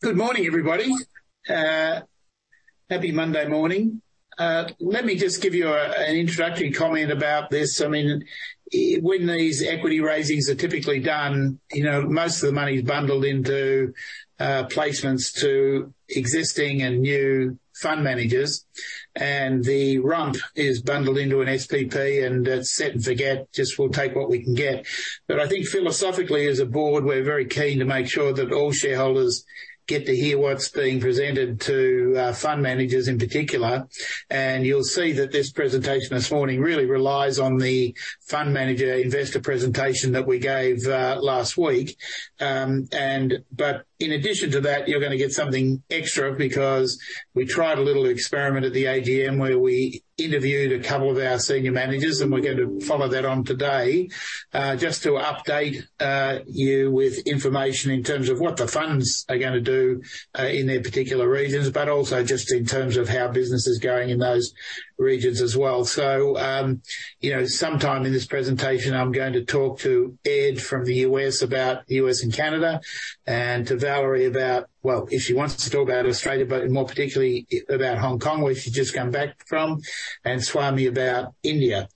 Good morning, everybody. Happy Monday morning. Let me just give you an introductory comment about this. I mean, when these equity raisings are typically done, you know, most of the money is bundled into placements to existing and new fund managers. The rump is bundled into an SPP and it's set and forget, just we'll take what we can get. I think philosophically as a board, we're very keen to make sure that all shareholders get to hear what's being presented to fund managers in particular. You'll see that this presentation this morning really relies on the fund manager investor presentation that we gave last week. In addition to that, you're going to get something extra because we tried a little experiment at the AGM where we interviewed a couple of our senior managers, and we're going to follow that on today. Just to update you with information in terms of what the funds are going to do in their particular regions, but also just in terms of how business is going in those regions as well. You know, sometime in this presentation, I'm going to talk to Ed from the U.S. about U.S. and Canada, and to Valerie about, well, if she wants to talk about Australia, but more particularly about Hong Kong, where she's just come back from, and Swami about India.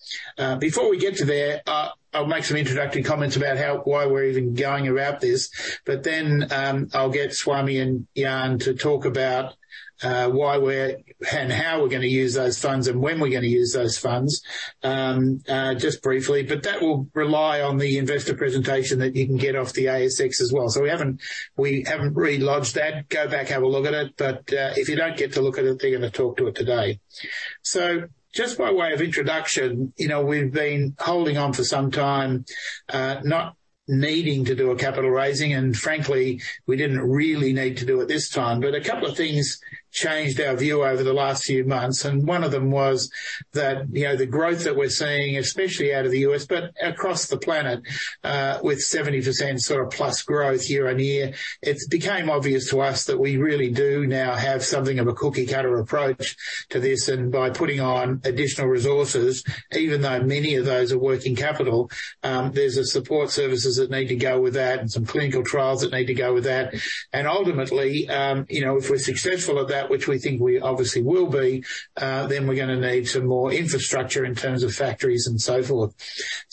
Before we get to there, I'll make some introductory comments about how, why we're even going about this. I'll get Swami and Jan to talk about why we're, and how we're gonna use those funds and when we're gonna use those funds, just briefly. That will rely on the investor presentation that you can get off the ASX as well. We haven't really lodged that. Go back, have a look at it. If you don't get to look at it, they're gonna talk to it today. Just by way of introduction, you know, we've been holding on for some time, not needing to do a capital raising, and frankly, we didn't really need to do it this time. A couple of things changed our view over the last few months, and one of them was that, you know, the growth that we're seeing, especially out of the U.S., but across the planet, with 70%+ sort of growth year-on-year. It became obvious to us that we really do now have something of a cookie-cutter approach to this. By putting on additional resources, even though many of those are working capital, there's the support services that need to go with that and some clinical trials that need to go with that. Ultimately, you know, if we're successful at that, which we think we obviously will be, then we're gonna need some more infrastructure in terms of factories and so forth.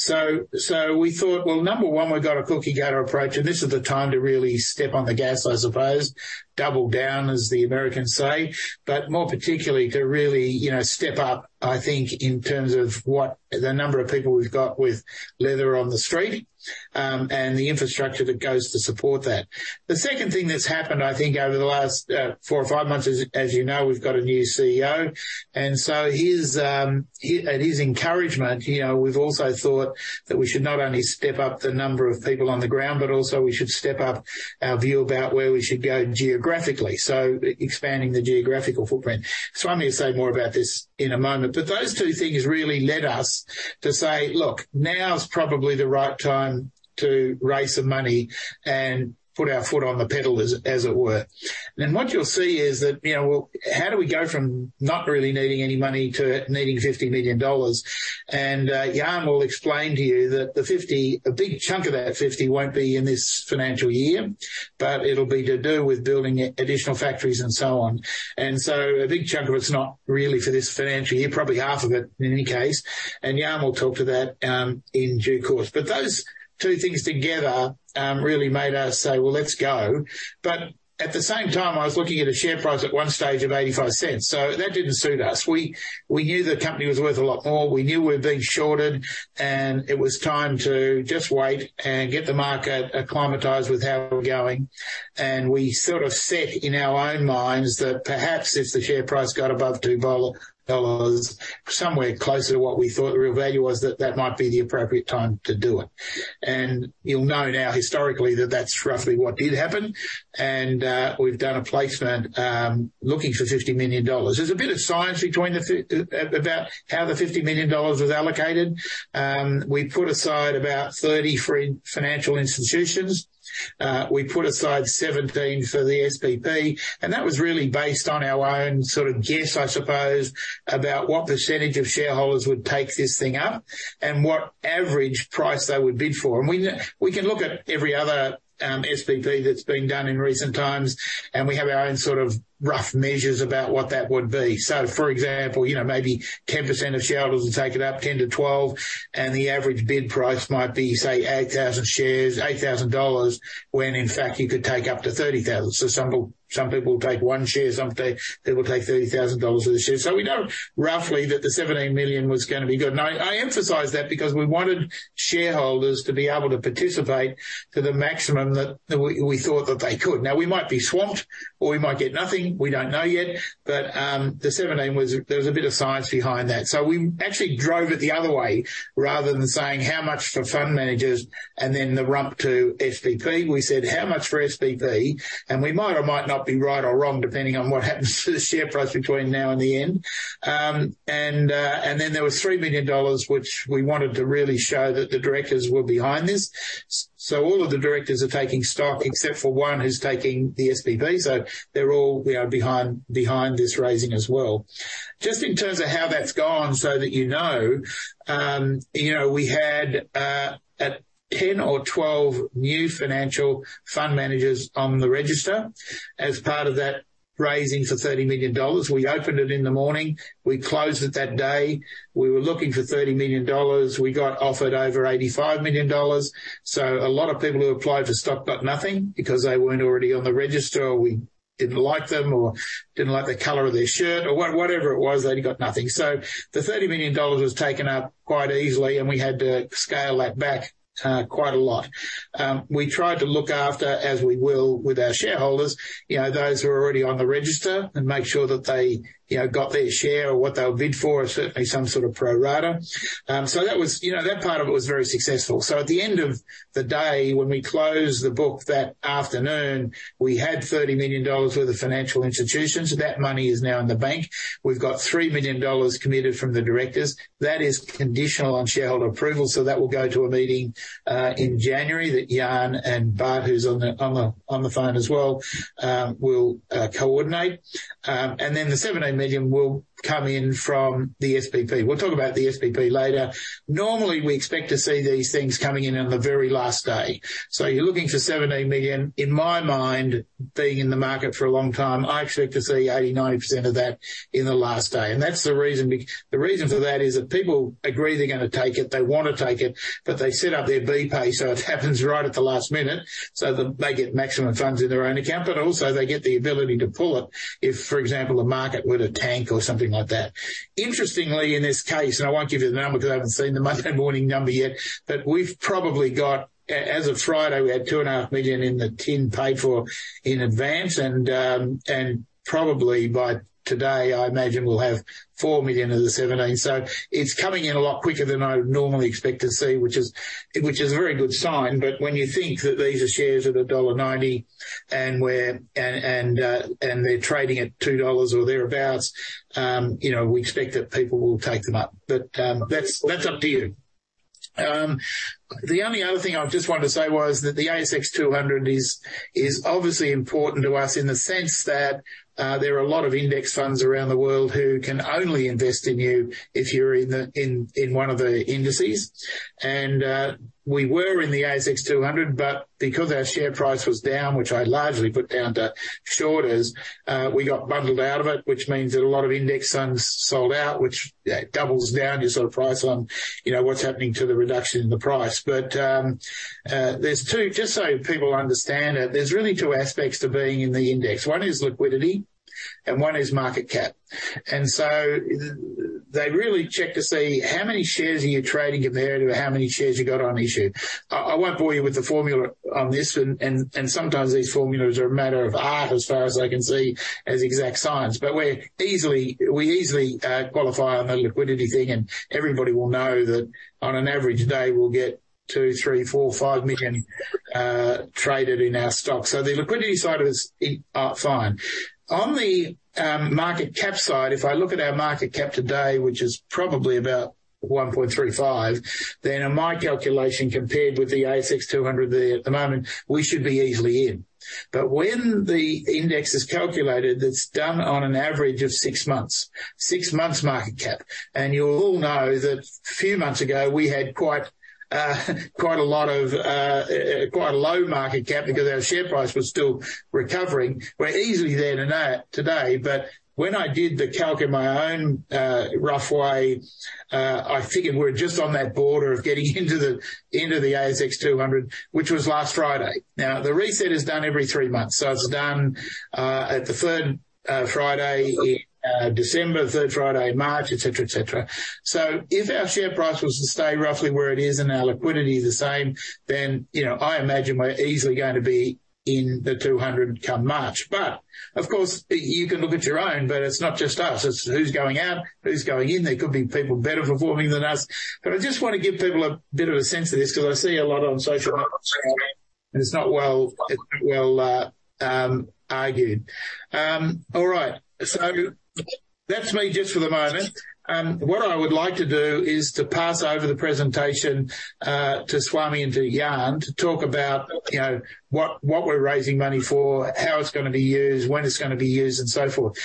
We thought, well, number one, we've got a cookie-cutter approach, and this is the time to really step on the gas, I suppose. Double down, as the Americans say, more particularly to really, you know, step up, I think, in terms of what the number of people we've got with leather on the street, and the infrastructure that goes to support that. The second thing that's happened, I think, over the last four or five months is, as you know, we've got a new CEO. At his encouragement, you know, we've also thought that we should not only step up the number of people on the ground, but also we should step up our view about where we should go geographically, so e-expanding the geographical footprint. Swami will say more about this in a moment. Those two things really led us to say, "Look, now is probably the right time to raise some money and put our foot on the pedal, as it were." What you'll see is that, you know, how do we go from not really needing any money to needing 50 million dollars? Jan will explain to you that a big chunk of that 50 million won't be in this financial year, but it'll be to do with building additional factories and so on. A big chunk of it's not really for this financial year, probably half of it in any case, and Jan will talk to that in due course. Those two things together really made us say, "Well, let's go." At the same time, I was looking at a share price at one stage of 0.85, so that didn't suit us. We knew the company was worth a lot more. We knew we were being shorted, and it was time to just wait and get the market acclimatized with how we're going. We sort of set in our own minds that perhaps if the share price got above 2 dollars, somewhere closer to what we thought the real value was, that that might be the appropriate time to do it. You'll know now historically that that's roughly what did happen, and we've done a placement looking for 50 million dollars. There's a bit of science about how the 50 million dollars was allocated. We put aside about 30 million for financial institutions. We put aside 17 million for the SPP, that was really based on our own sort of guess, I suppose, about what percentage of shareholders would take this thing up and what average price they would bid for. We can look at every other SPP that's been done in recent times, we have our own sort of rough measures about what that would be. For example, you know, maybe 10% of shareholders will take it up 10%-12%, the average bid price might be, say, 8,000 shares, 8,000 dollars, when in fact you could take up to 30,000. Some people take one share, some they will take 30,000 dollars of the share. We know roughly that the 17 million was gonna be good. I emphasize that because we wanted shareholders to be able to participate to the maximum that we thought that they could. We might be swamped or we might get nothing. We don't know yet. The 17 million was, there was a bit of science behind that. We actually drove it the other way, rather than saying how much for fund managers and then the rump to SPP, we said how much for SPP, and we might or might not be right or wrong, depending on what happens to the share price between now and the end. Then there was 3 million dollars, which we wanted to really show that the directors were behind this. All of the directors are taking stock, except for one who's taking the SPP. They're all, we are behind this raising as well. Just in terms of how that's gone so that you know, you know, we had 10 or 12 new financial fund managers on the register as part of that raising for AUD 30 million. We opened it in the morning, we closed it that day. We were looking for AUD 30 million. We got offered over AUD 85 million. A lot of people who applied for stock got nothing because they weren't already on the register, or we didn't like them, or didn't like the color of their shirt or whatever it was, they got nothing. The 30 million dollars was taken up quite easily, and we had to scale that back quite a lot. We tried to look after, as we will with our shareholders, you know, those who are already on the register and make sure that they, you know, got their share or what they'll bid for, or certainly some sort of pro rata. You know, that part of it was very successful. At the end of the day, when we closed the book that afternoon, we had 30 million dollars worth of financial institutions. That money is now in the bank. We've got 3 million dollars committed from the directors. That is conditional on shareholder approval. That will go to a meeting in January that Jan and Bart, who's on the phone as well, will coordinate. The 17 million will come in from the SPP. We'll talk about the SPP later. Normally, we expect to see these things coming in on the very last day. You're looking for 17 million. In my mind, being in the market for a long time, I expect to see 80%, 90% of that in the last day. That's the reason for that is if people agree they're gonna take it, they wanna take it, but they set up their BPAY, so it happens right at the last minute so that they get maximum funds in their own account, but also they get the ability to pull it if, for example, the market were to tank or something like that. Interestingly, in this case, I won't give you the number because I haven't seen the Monday morning number yet, but we've probably got... As of Friday, we had 2.5 million in the tin paid for in advance, probably by today, I imagine we'll have 4 million of the 17 million. It's coming in a lot quicker than I would normally expect to see, which is a very good sign. When you think that these are shares at dollar 1.90 and they're trading at 2 dollars or thereabouts, you know, we expect that people will take them up. That's up to you. The only other thing I just wanted to say was that the ASX 200 is obviously important to us in the sense that there are a lot of index funds around the world who can only invest in you if you're in one of the indices. We were in the ASX 200, but because our share price was down, which I largely put down to shorters, we got bundled out of it, which means that a lot of index funds sold out, which, you know, doubles down your sort of price on, you know, what's happening to the reduction in the price. Just so people understand it, there's really two aspects to being in the index. One is liquidity and one is market cap. They really check to see how many shares are you trading compared to how many shares you got on issue. I won't bore you with the formula on this and, and sometimes these formulas are a matter of art as far as I can see as exact science. We easily qualify on the liquidity thing. Everybody will know that on an average day, we'll get 2 million, 3 million, 4 million, 5 million traded in our stock. The liquidity side of it is fine. On the market cap side, if I look at our market cap today, which is probably about 1.35 billion, in my calculation compared with the ASX 200 there at the moment, we should be easily in. When the index is calculated, that's done on an average of six months market cap. You'll all know that a few months ago we had quite a lot of quite a low market cap because our share price was still recovering. We're easily there today. When I did the calc in my own rough way, I figured we're just on that border of getting into the ASX 200, which was last Friday. The reset is done every three months. It's done at the third Friday in December, third Friday in March, et cetera, et cetera. If our share price was to stay roughly where it is and our liquidity the same, you know, I imagine we're easily gonna be in the 200 come March. Of course, you can look at your own, but it's not just us, it's who's going out, who's going in. There could be people better performing than us. I just want to give people a bit of a sense of this because I see a lot on social media, and it's not well, well, argued. All right. That's me just for the moment. What I would like to do is to pass over the presentation to Swami and to Jan to talk about, you know, what we're raising money for, how it's gonna be used, when it's gonna be used, and so forth.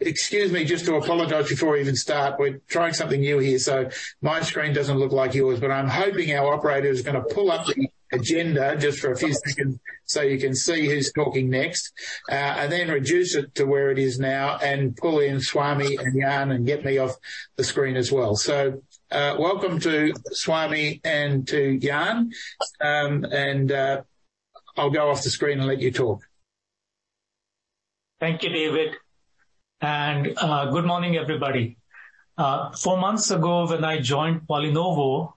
Excuse me, just to apologize before we even start. We're trying something new here, so my screen doesn't look like yours, but I'm hoping our operator is gonna pull up the agenda just for a few seconds so you can see who's talking next. Reduce it to where it is now and pull in Swami and Jan and get me off the screen as well. Welcome to Swami and to Jan. I'll go off the screen and let you talk. Thank you, David. Good morning, everybody. Four months ago when I joined PolyNovo,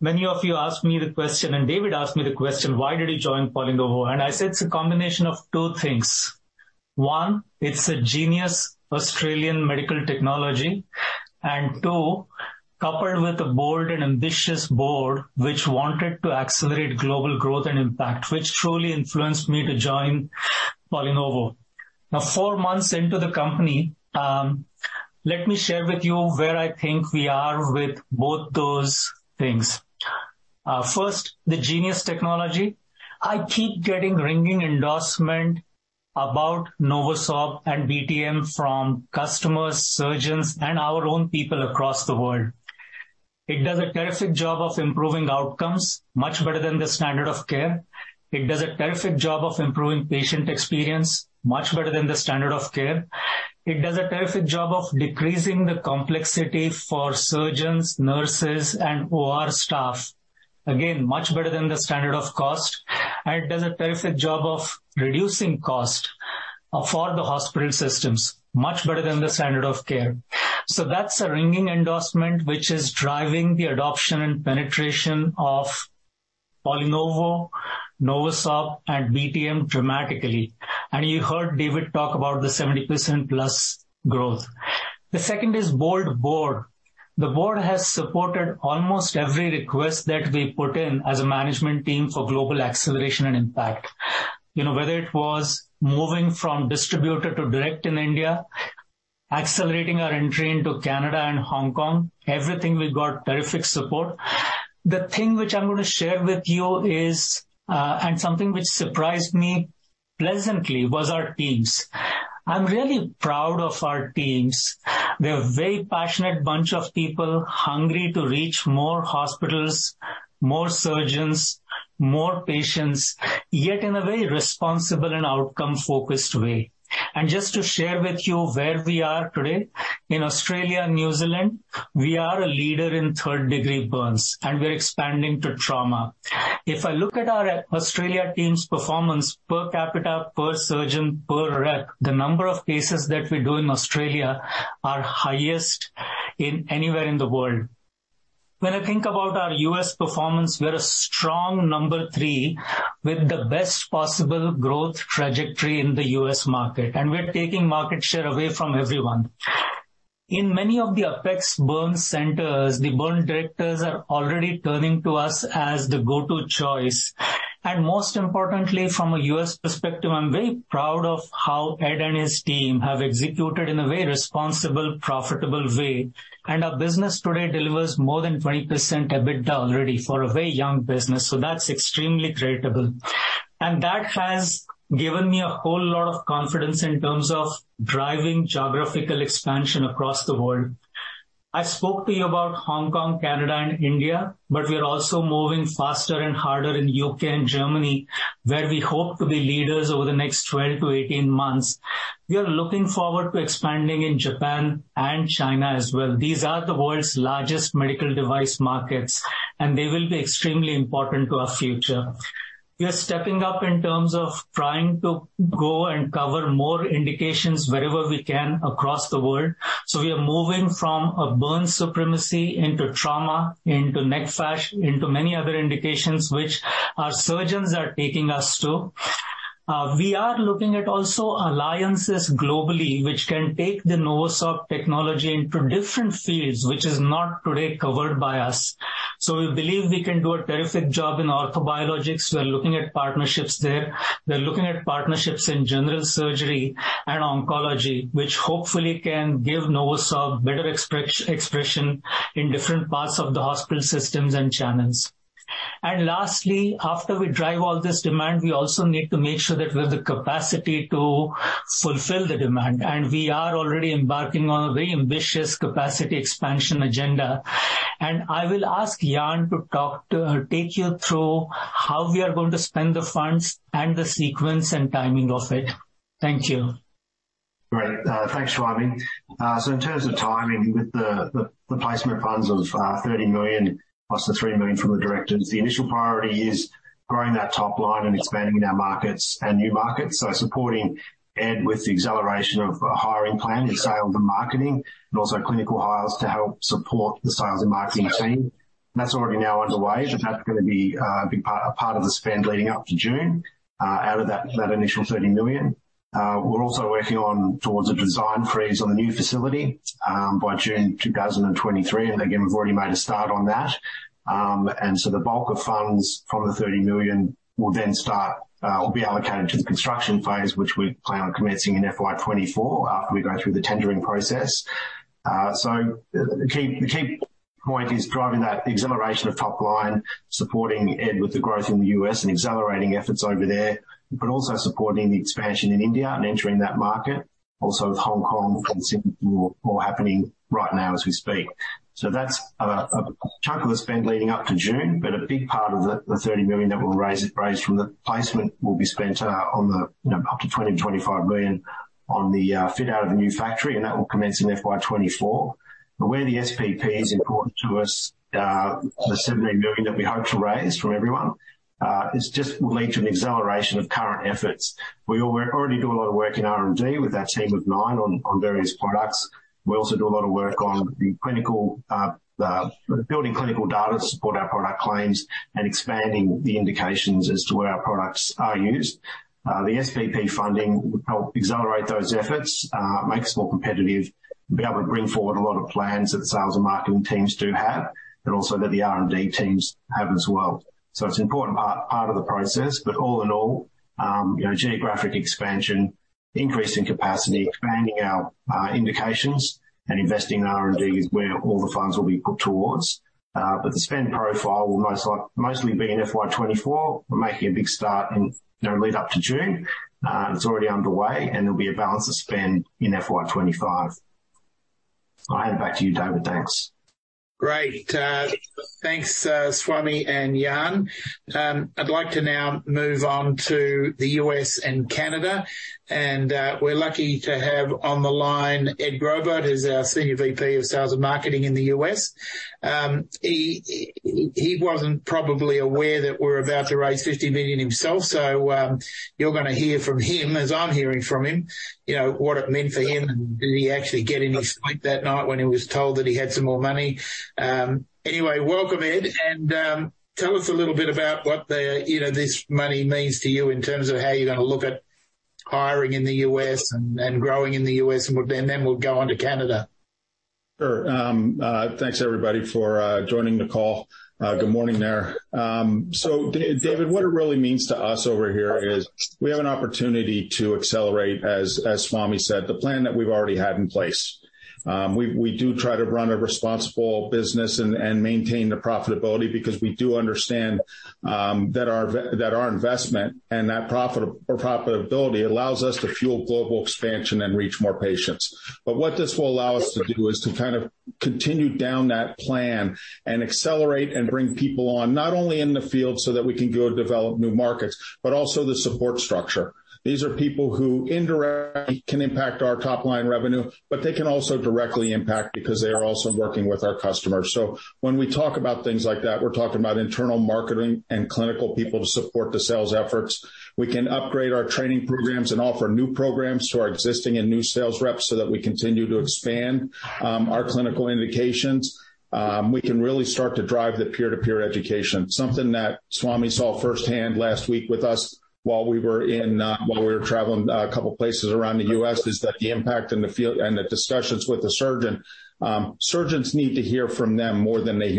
many of you asked me the question and David asked me the question, "Why did you join PolyNovo?" I said, "It's a combination of two things. One, it's a genius Australian medical technology, and two, coupled with a bold and ambitious board which wanted to accelerate global growth and impact, which truly influenced me to join PolyNovo." Now, four months into the company, let me share with you where I think we are with both those things. First, the genius technology. I keep getting ringing endorsement about NovoSorb and BTM from customers, surgeons, and our own people across the world. It does a terrific job of improving outcomes, much better than the standard of care. It does a terrific job of improving patient experience, much better than the standard of care. It does a terrific job of decreasing the complexity for surgeons, nurses, and OR staff. Again, much better than the standard of cost. It does a terrific job of reducing cost for the hospital systems, much better than the standard of care. That's a ringing endorsement, which is driving the adoption and penetration of PolyNovo, NovoSorb, and BTM dramatically. You heard David talk about the 70%+ growth. The second is bold board. The board has supported almost every request that we put in as a management team for global acceleration and impact. You know, whether it was moving from distributor to direct in India, accelerating our entry into Canada and Hong Kong, everything we got terrific support. The thing which I'm gonna share with you is, and something which surprised me pleasantly was our teams. I'm really proud of our teams. They're a very passionate bunch of people, hungry to reach more hospitals, more surgeons, more patients, yet in a very responsible and outcome-focused way. Just to share with you where we are today, in Australia and New Zealand, we are a leader in third-degree burns, and we're expanding to trauma. If I look at our Australia team's performance per capita, per surgeon, per rep, the number of cases that we do in Australia are highest in anywhere in the world. When I think about our U.S. performance, we're a strong number three with the best possible growth trajectory in the U.S. market, and we're taking market share away from everyone. In many of the apex burn centers, the burn directors are already turning to us as the go-to choice. Most importantly, from a U.S. perspective, I'm very proud of how Ed and his team have executed in a very responsible, profitable way. Our business today delivers more than 20% EBITDA already for a very young business. That's extremely creditable. That has given me a whole lot of confidence in terms of driving geographical expansion across the world. I spoke to you about Hong Kong, Canada and India, but we're also moving faster and harder in U.K. and Germany, where we hope to be leaders over the next 12-18 months. We are looking forward to expanding in Japan and China as well. These are the world's largest medical device markets, and they will be extremely important to our future. We are stepping up in terms of trying to go and cover more indications wherever we can across the world. We are moving from a burn supremacy into trauma, into neck fash, into many other indications which our surgeons are taking us to. We are looking at also alliances globally, which can take the NovoSorb technology into different fields, which is not today covered by us. We believe we can do a terrific job in orthobiologics. We're looking at partnerships there. We're looking at partnerships in general surgery and oncology, which hopefully can give NovoSorb better expression in different parts of the hospital systems and channels. Lastly, after we drive all this demand, we also need to make sure that we have the capacity to fulfill the demand. We are already embarking on a very ambitious capacity expansion agenda. I will ask Jan to take you through how we are going to spend the funds and the sequence and timing of it. Thank you. Great. Thanks, Swami. In terms of timing with the placement of funds of 30 million plus the 3 million from the directors, the initial priority is growing that top line and expanding in our markets and new markets. Supporting Ed with the acceleration of a hiring plan in sales and marketing, and also clinical hires to help support the sales and marketing team. That's already now underway. That's gonna be a big part of the spend leading up to June out of that initial 30 million. We're also working on towards a design freeze on the new facility by June 2023. Again, we've already made a start on that. The bulk of funds from the 30 million will be allocated to the construction phase, which we plan on commencing in FY2024 after we go through the tendering process. The key point is driving that acceleration of top line, supporting Ed with the growth in the U.S. and accelerating efforts over there, but also supporting the expansion in India and entering that market, also with Hong Kong and Singapore all happening right now as we speak. That's a chunk of the spend leading up to June. A big part of the AUD 30 million that we'll raise from the placement will be spent on the, you know, up to AUD 20 million-AUD 25 million on the fit out of the new factory, and that will commence in FY2024. Where the SPP is important to us, the 17 million that we hope to raise from everyone, will lead to an acceleration of current efforts. We already do a lot of work in R&D with our team of nine on various products. We also do a lot of work on the clinical building clinical data to support our product claims and expanding the indications as to where our products are used. The SPP funding will help accelerate those efforts, make us more competitive, be able to bring forward a lot of plans that sales and marketing teams do have, but also that the R&D teams have as well. It's an important part of the process. All in all, you know, geographic expansion, increase in capacity, expanding our indications and investing in R&D is where all the funds will be put towards. The spend profile will mostly be in FY2024. We're making a big start in, you know, lead up to June, and it's already underway, and there'll be a balance of spend in FY2025.I hand back to you, David. Thanks. Great. Thanks, Swamy and Jan. I'd like to now move on to the U.S. and Canada, and we're lucky to have on the line Ed Graubart, who's our Senior VP of Sales and Marketing in the U.S.. He wasn't probably aware that we're about to raise 50 million himself, so you're gonna hear from him as I'm hearing from him. You know what it meant for him, and did he actually get any sleep that night when he was told that he had some more money? Anyway, welcome, Ed, and tell us a little bit about what the, you know, this money means to you in terms of how you're gonna look at hiring in the U.S. and growing in the U.S., and then we'll go on to Canada. Sure. Thanks, everybody, for joining the call. Good morning there. David, what it really means to us over here is we have an opportunity to accelerate, as Swami said, the plan that we've already had in place. We do try to run a responsible business and maintain the profitability because we do understand that our investment and that profit or profitability allows us to fuel global expansion and reach more patients. What this will allow us to do is to kind of continue down that plan and accelerate and bring people on, not only in the field so that we can go develop new markets, but also the support structure. These are people who indirectly can impact our top-line revenue, but they can also directly impact because they are also working with our customers. When we talk about things like that, we're talking about internal marketing and clinical people to support the sales efforts. We can upgrade our training programs and offer new programs to our existing and new sales reps so that we continue to expand our clinical indications. We can really start to drive the peer-to-peer education. Something that Swami saw firsthand last week with us while we were in while we were traveling a couple places around the U.S., is that the impact in the field and the discussions with the surgeon, surgeons need to hear from them more than they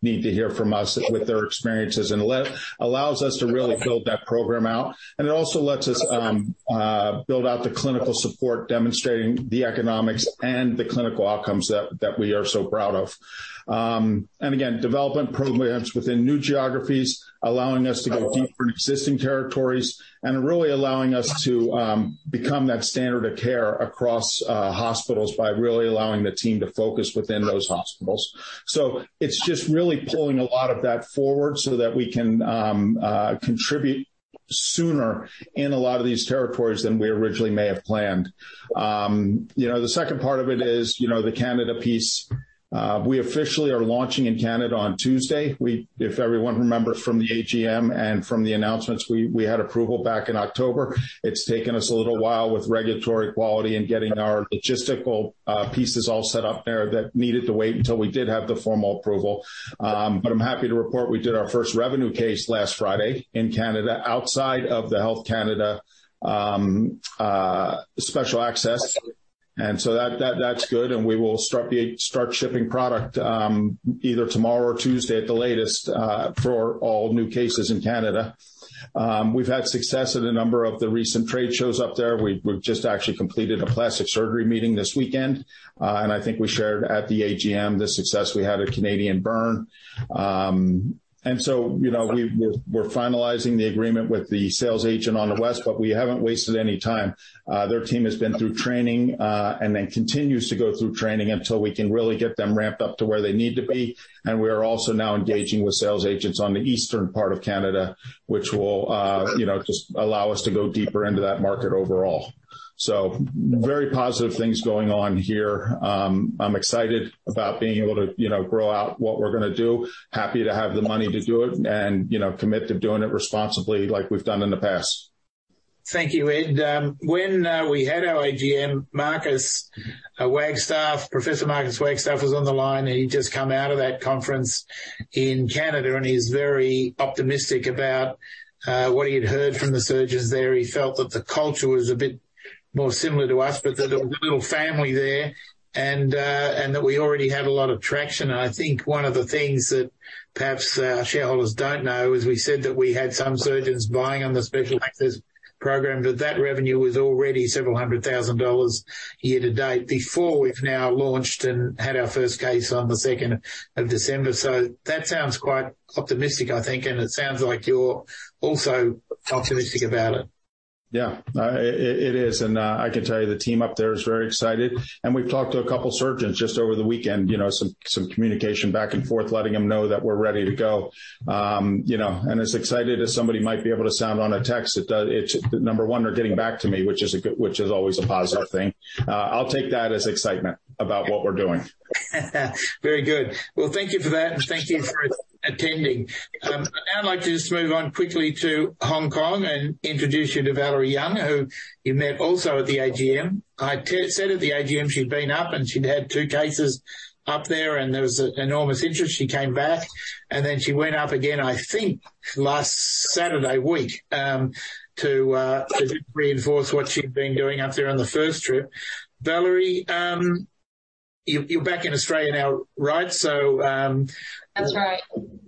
need to hear from us with their experiences. Let... allows us to really build that program out. It also lets us build out the clinical support demonstrating the economics and the clinical outcomes that we are so proud of. Again, development programs within new geographies, allowing us to go deeper in existing territories and really allowing us to become that standard of care across hospitals by really allowing the team to focus within those hospitals. It's just really pulling a lot of that forward so that we can contribute sooner in a lot of these territories than we originally may have planned. You know, the second part of it is, you know, the Canada piece. We officially are launching in Canada on Tuesday. If everyone remembers from the AGM and from the announcements, we had approval back in October. It's taken us a little while with regulatory quality and getting our logistical pieces all set up there that needed to wait until we did have the formal approval. I'm happy to report we did our first revenue case last Friday in Canada outside of the Health Canada Special Access. That's good, and we will start shipping product either tomorrow or Tuesday at the latest for all new cases in Canada. We've had success at a number of the recent trade shows up there. We've just actually completed a plastic surgery meeting this weekend, and I think we shared at the AGM the success we had at Canadian Burn. You know, we're finalizing the agreement with the sales agent on the west, but we haven't wasted any time. Their team has been through training, and then continues to go through training until we can really get them ramped up to where they need to be. We are also now engaging with sales agents on the eastern part of Canada, which will, you know, just allow us to go deeper into that market overall. Very positive things going on here. I'm excited about being able to, you know, grow out what we're gonna do, happy to have the money to do it and, you know, committed to doing it responsibly like we've done in the past. Thank you, Ed. When we had our AGM, Marcus Wagstaff, Professor Marcus Wagstaff was on the line, and he'd just come out of that conference in Canada, and he's very optimistic about what he had heard from the surgeons there. He felt that the culture was a bit more similar to us, but that a little family there and that we already had a lot of traction. I think one of the things that perhaps our shareholders don't know is we said that we had some surgeons buying on the Special Access Program, but that revenue was already AUD several hundred thousand year to date before we've now launched and had our first case on the 2nd of December. That sounds quite optimistic, I think, and it sounds like you're also optimistic about it. Yeah. It is. I can tell you the team up there is very excited. We've talked to a couple surgeons just over the weekend, you know, some communication back and forth, letting them know that we're ready to go. You know, as excited as somebody might be able to sound on a text, it's, number one, they're getting back to me, which is always a positive thing. I'll take that as excitement about what we're doing. Very good. Thank you for that, and thank you for attending. I'd now like to just move on quickly to Hong Kong and introduce you to Valerie Young, who you met also at the AGM. I said at the AGM she'd been up and she'd had two cases up there and there was an enormous interest. She came back, and then she went up again, I think last Saturday week, to reinforce what she'd been doing up there on the first trip. Valerie, you're back in Australia now, right? That's right.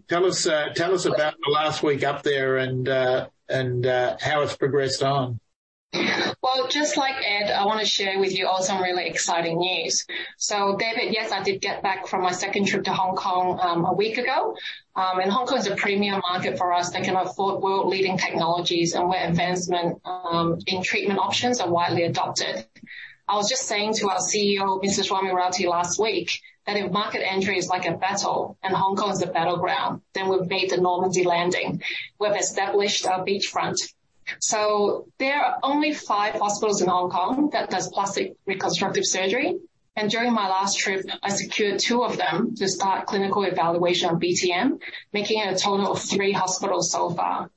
Tell us about the last week up there and how it's progressed on. Just like Ed, I wanna share with you all some really exciting news. David, yes, I did get back from my second trip to Hong Kong a week ago. Hong Kong is a premium market for us. They can afford world-leading technologies and where advancement in treatment options are widely adopted. I was just saying to our CEO, Mr. Swami Raote, last week, that if market entry is like a battle and Hong Kong is a battleground, we've made the Normandy landing. We've established our beachfront. There are only five hospitals in Hong Kong that does plastic reconstructive surgery, during my last trip, I secured two of them to start clinical evaluation of BTM, making it a total of three hospitals so far.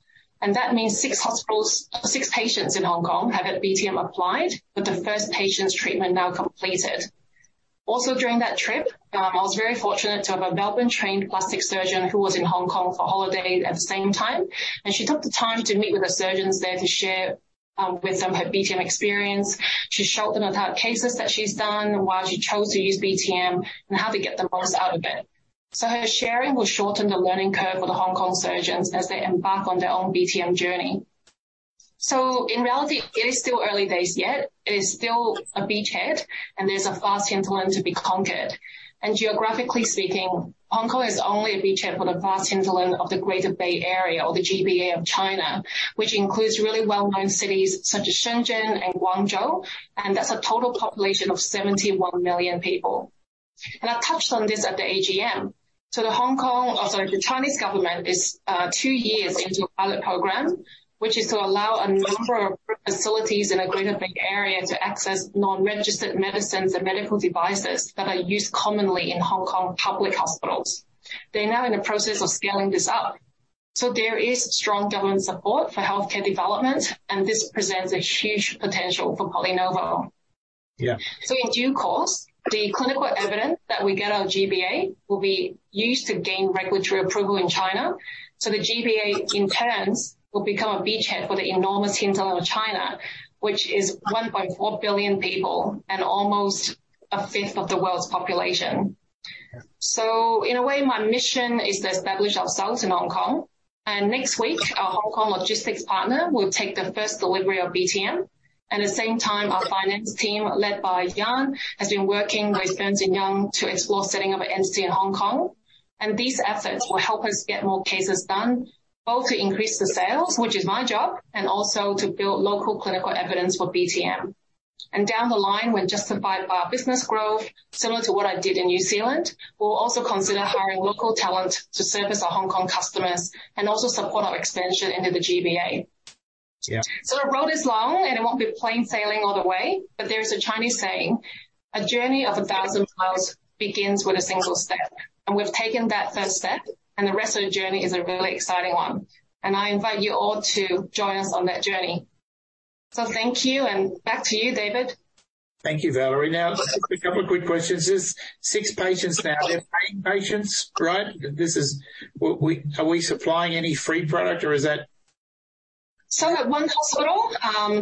That means six patients in Hong Kong have had BTM applied, with the first patient's treatment now completed. Also, during that trip, I was very fortunate to have a Melbourne-trained plastic surgeon who was in Hong Kong for holiday at the same time, and she took the time to meet with the surgeons there to share with them her BTM experience. She showed them about cases that she's done and why she chose to use BTM and how to get the most out of it. Her sharing will shorten the learning curve for the Hong Kong surgeons as they embark on their own BTM journey. In reality, it is still early days yet. It is still a beachhead, and there's a vast hinterland to be conquered. Geographically speaking, Hong Kong is only a beachhead for the vast hinterland of the Greater Bay Area, or the GBA of China, which includes really well-known cities such as Shenzhen and Guangzhou, and that's a total population of 71 million people. I touched on this at the AGM. The Hong Kong, also the Chinese government, is two years into a pilot program, which is to allow a number of facilities in the Greater Bay Area to access non-registered medicines and medical devices that are used commonly in Hong Kong public hospitals. They're now in the process of scaling this up. There is strong government support for healthcare development, and this presents a huge potential for PolyNovo. Yeah. In due course, the clinical evidence that we get out of GBA will be used to gain regulatory approval in China. The GBA in turn will become a beachhead for the enormous hinterland of China, which is 1.4 billion people and almost a fifth of the world's population. In a way, my mission is to establish ourselves in Hong Kong. Next week, our Hong Kong logistics partner will take the first delivery of BTM. At the same time, our finance team, led by Jan, has been working with Ernst & Young to explore setting up an entity in Hong Kong. These efforts will help us get more cases done, both to increase the sales, which is my job, and also to build local clinical evidence for BTM. Down the line, when justified by our business growth, similar to what I did in New Zealand, we'll also consider hiring local talent to service our Hong Kong customers and also support our expansion into the GBA. Yeah. The road is long, and it won't be plain sailing all the way, but there's a Chinese saying, "A journey of a thousand miles begins with a single step." We've taken that first step, and the rest of the journey is a really exciting one. I invite you all to join us on that journey. Thank you and back to you, David. Thank you, Valerie. Just a couple of quick questions. There's six patients now. They're paying patients, right? This is... Are we supplying any free product or is that... At one hospital,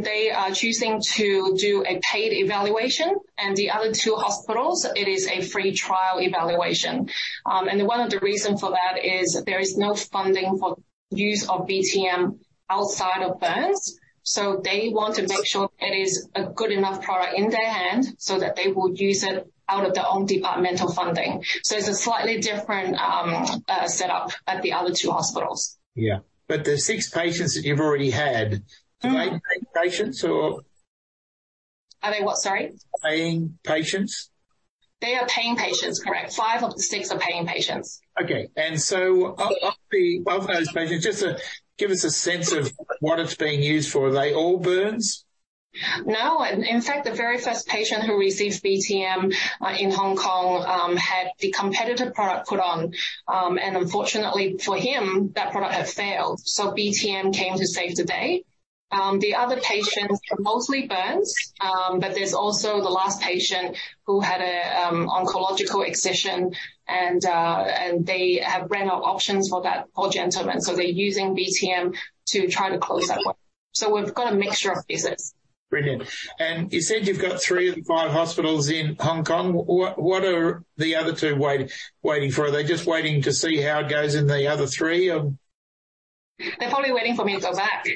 they are choosing to do a paid evaluation, and the other two hospitals, it is a free trial evaluation. One of the reason for that is there is no funding for use of BTM outside of burns. They want to make sure it is a good enough product in their hand so that they will use it out of their own departmental funding. It's a slightly different setup at the other two hospitals. Yeah. The six patients that you've already had, are they paying patients or? Are they what, sorry? Paying patients. They are paying patients, correct. Five of the six are paying patients. Okay. Of those patients, just to give us a sense of what it's being used for, are they all burns? No. In fact, the very first patient who received BTM in Hong Kong had the competitor product put on, and unfortunately for him, that product had failed. BTM came to save the day. The other patients are mostly burns, but there's also the last patient who had a oncological excision and they have ran out options for that poor gentleman, so they're using BTM to try to close that wound. We've got a mixture of uses. Brilliant. You said you've got three of the five hospitals in Hong Kong. What are the other two waiting for? Are they just waiting to see how it goes in the other three or? They're probably waiting for me to go back.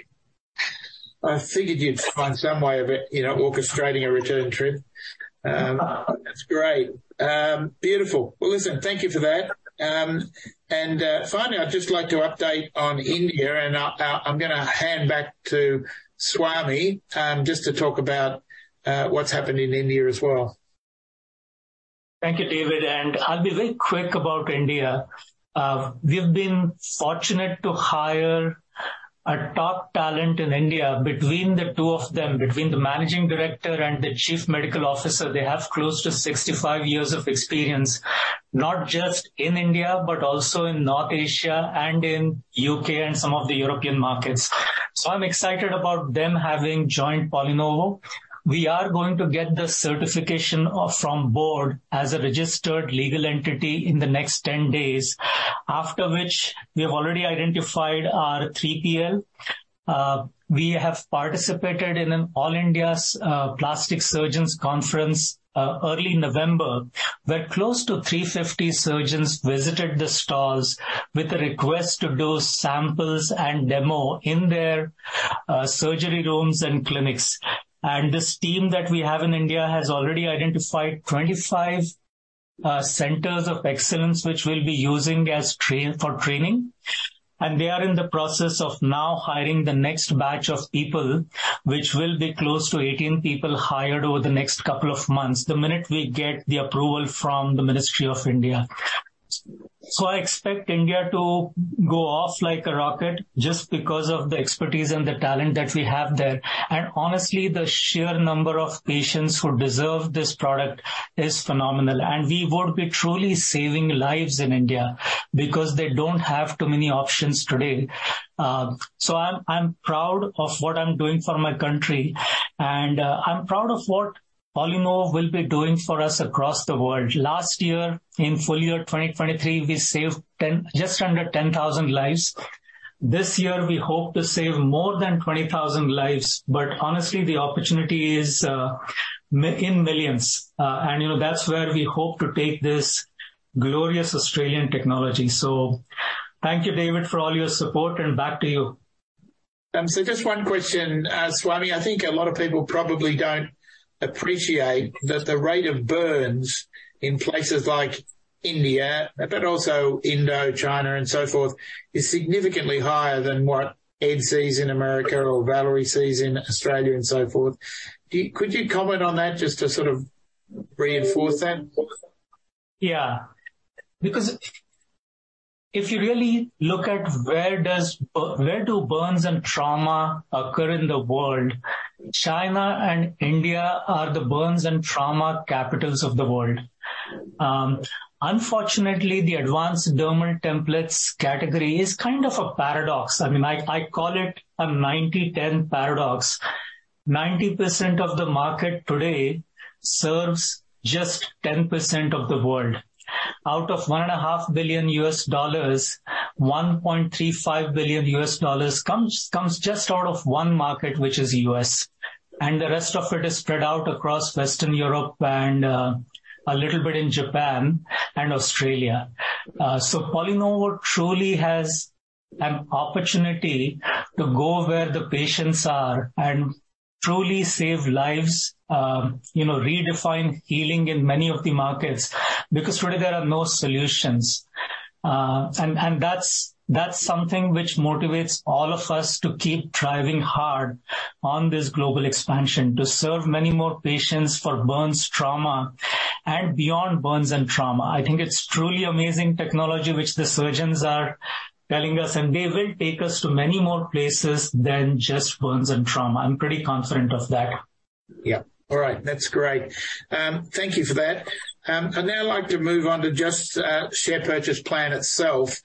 I figured you'd find some way of it, you know, orchestrating a return trip. That's great. Beautiful. Well, listen, thank you for that. Finally, I'd just like to update on India, and I'm gonna hand back to Swami, just to talk about what's happening in India as well. Thank you, David, and I'll be very quick about India. We've been fortunate to hire a top talent in India. Between the two of them, between the Managing Director and the Chief Medical Officer, they have close to 65 years of experience, not just in India, but also in North Asia and in U.K. and some of the European markets. I'm excited about them having joined PolyNovo. We are going to get the certification from board as a registered legal entity in the next 10 days, after which we have already identified our 3PL. We have participated in an All India's Plastic Surgeons Conference early November, where close to 350 surgeons visited the stalls with a request to do samples and demo in their surgery rooms and clinics. This team that we have in India has already identified 25 centers of excellence, which we'll be using as for training, and we are in the process of now hiring the next batch of people, which will be close to 18 people hired over the next couple of months, the minute we get the approval from the Ministry of India. I expect India to go off like a rocket just because of the expertise and the talent that we have there. Honestly, the sheer number of patients who deserve this product is phenomenal. We would be truly saving lives in India because they don't have too many options today. I'm proud of what I'm doing for my country, and I'm proud of what PolyNovo will be doing for us across the world. Last year, in full year 2023, we saved just under 10,000 lives. This year we hope to save more than 20,000 lives. Honestly, the opportunity is in millions. You know, that's where we hope to take this glorious Australian technology. Thank you, David, for all your support, and back to you. Just one question, Swami. I think a lot of people probably don't appreciate that the rate of burns in places like India, but also Indo-China and so forth, is significantly higher than what Ed sees in America or Valerie sees in Australia and so forth. Could you comment on that just to sort of reinforce that? Yeah. Because if you really look at where do burns and trauma occur in the world, China and India are the burns and trauma capitals of the world. Unfortunately, the advanced dermal templates category is kind of a paradox. I mean, I call it a 90/10 paradox. 90% of the market today serves just 10% of the world. Out of $1.5 billion, $1.35 billion comes just out of one market, which is U.S. The rest of it is spread out across Western Europe and a little bit in Japan and Australia. PolyNovo truly has an opportunity to go where the patients are and truly save lives, you know, redefine healing in many of the markets, because really there are no solutions. That's something which motivates all of us to keep driving hard on this global expansion, to serve many more patients for burns, trauma and beyond burns and trauma. I think it's truly amazing technology which the surgeons are telling us, and they will take us to many more places than just burns and trauma. I'm pretty confident of that. Yeah. All right. That's great. Thank you for that. I'd now like to move on to just share purchase plan itself.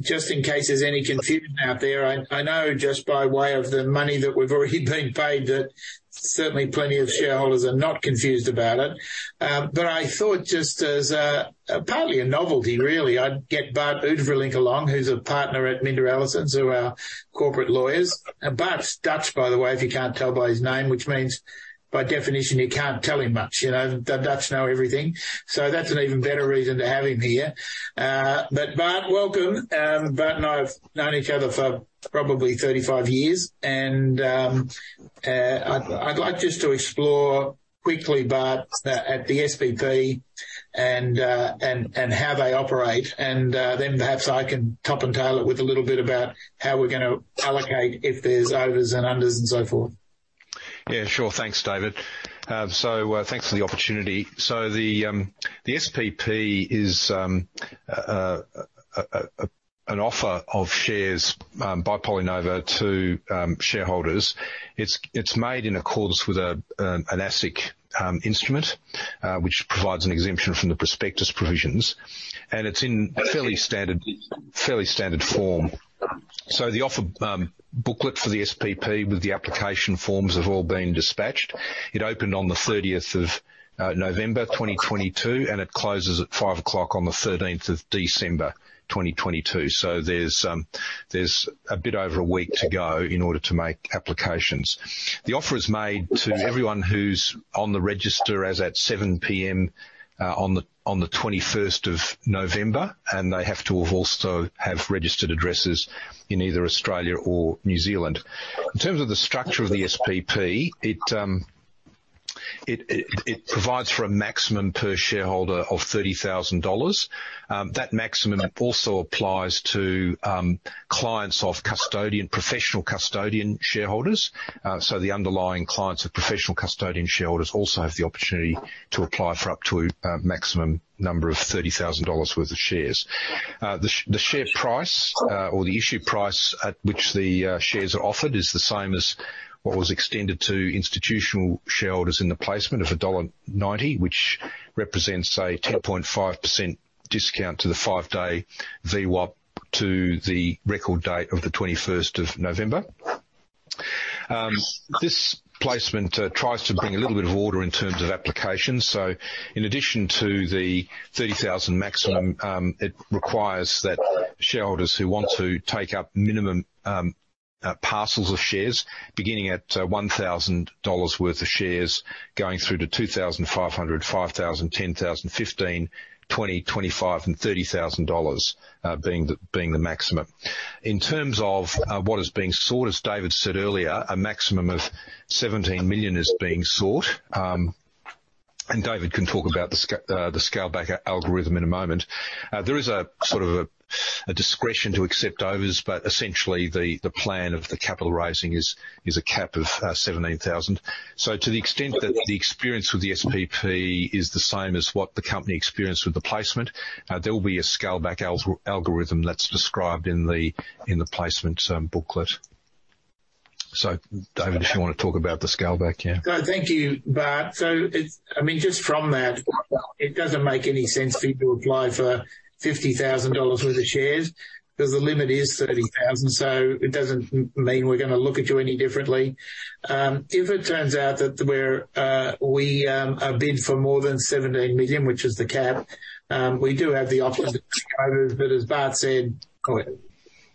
Just in case there's any confusion out there. I know just by way of the money that we've already been paid, that certainly plenty of shareholders are not confused about it. But I thought just as partly a novelty really, I'd get Bart Oude-Vrielink along, who's a partner at MinterEllison, so our corporate lawyers. Bart's Dutch, by the way, if you can't tell by his name, which means by definition, you can't tell him much. You know, the Dutch know everything, so that's an even better reason to have him here. Bart, welcome. Bart and I have known each other for probably 35 years. I'd like just to explore quickly, Bart, at the SPP and how they operate. Perhaps I can top and tail it with a little bit about how we're gonna allocate, if there's overs and unders and so forth. Yeah, sure. Thanks, David. Thanks for the opportunity. The SPP is an offer of shares by PolyNovo to shareholders. It's made in accordance with an ASIC instrument, which provides an exemption from the prospectus provisions, and it's in fairly standard form. The offer booklet for the SPP with the application forms have all been dispatched. It opened on the 30th of November 2022, and it closes at five o'clock on the 13th of December 2022. There's a bit over a week to go in order to make applications. The offer is made to everyone who's on the register as at 7:00 P.M. on the 21st of November, and they have to have also have registered addresses in either Australia or New Zealand. In terms of the structure of the SPP, it provides for a maximum per shareholder of 30,000 dollars. That maximum also applies to clients of custodian, professional custodian shareholders. The underlying clients of professional custodian shareholders also have the opportunity to apply for up to a maximum number of 30,000 dollars worth of shares. The share price, or the issue price at which the shares are offered is the same as what was extended to institutional shareholders in the placement of dollar 1.90, which represents a 10.5% discount to the five-day VWAP to the record date of the 21st of November. This placement tries to bring a little bit of order in terms of applications. In addition to the 30,000 maximum, it requires that shareholders who want to take up minimum parcels of shares beginning at 1,000 dollars worth of shares, going through to 2,500, 5,000, 10,000, 15,000, 20,000, 25,000, and 30,000 dollars, being the maximum. In terms of what is being sought, as David said earlier, a maximum of 17 million is being sought. David can talk about the scale back algorithm in a moment. There is a sort of a discretion to accept overs, but essentially the plan of the capital raising is a cap of 17,000. To the extent that the experience with the SPP is the same as what the company experienced with the placement, there will be a scale back algorithm that's described in the placement booklet. David, if you wanna talk about the scale back, yeah. Thank you, Bart. I mean, just from that, it doesn't make any sense for you to apply for 50,000 dollars worth of shares because the limit is 30,000. It doesn't mean we're gonna look at you any differently. If it turns out that we're we are bid for more than 17 million, which is the cap, we do have the option but as Bart said,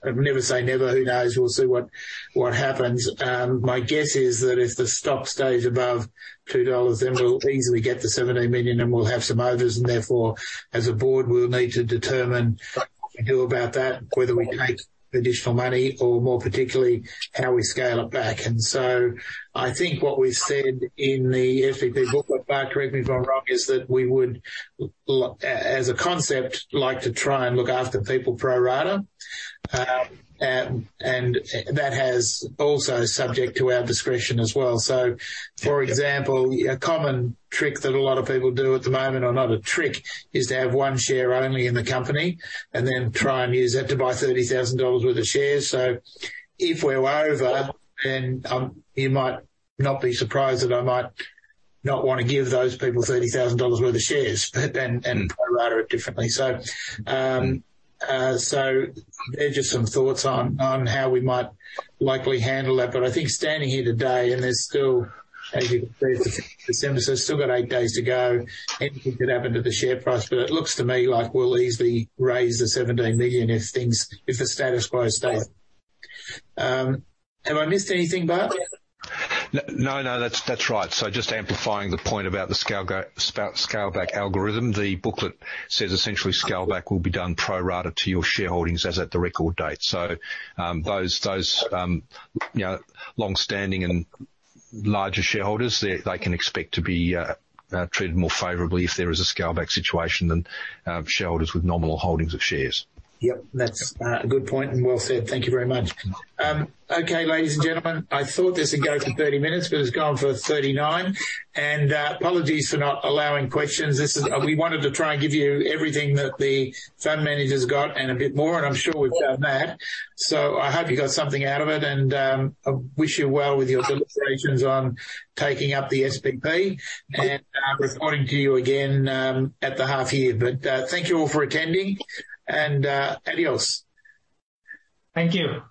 never say never. Who knows? We'll see what happens. My guess is that if the stock stays above 2 dollars, we'll easily get the 17 million and we'll have some overs and therefore, as a board, we'll need to determine what to do about that, whether we take additional money or more particularly, how we scale it back. I think what we said in the SPP booklet, Bart, correct me if I'm wrong, is that we would as a concept, like to try and look after people pro rata. And that has also subject to our discretion as well. For example, a common trick that a lot of people do at the moment, or not a trick, is to have one share only in the company and then try and use that to buy AUD 30,000 worth of shares. If we're over, then, you might not be surprised that I might not wanna give those people 30,000 dollars worth of shares and pro rata it differently. They're just some thoughts on how we might likely handle that. I think standing here today, and there's still, as you can see, December's still got eight days to go. Anything could happen to the share price, but it looks to me like we'll easily raise the 17 million if things, if the status quo stays. Have I missed anything, Bart? No, no, that's right. Just amplifying the point about the scale back algorithm. The booklet says essentially scale back will be done pro rata to your shareholdings as at the record date. Those, you know, long-standing and larger shareholders, they can expect to be treated more favorably if there is a scale back situation than shareholders with nominal holdings of shares. Yep, that's a good point and well said. Thank you very much. Okay, ladies and gentlemen. I thought this would go for 30 minutes, but it's gone for 39. Apologies for not allowing questions. We wanted to try and give you everything that the fund managers got and a bit more, and I'm sure we've done that. I hope you got something out of it, and I wish you well with your deliberations on taking up the SPP and reporting to you again at the half year. Thank you all for attending and adios. Thank you.